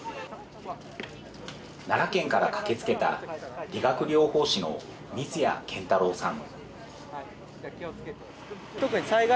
奈良県から駆けつけた理学療法士の水家健太郎さん。